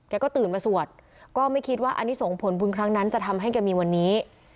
ก็ตื่นมาสวดก็ไม่คิดว่าอันนี้ส่งผลบุญครั้งนั้นจะทำให้แกมีวันนี้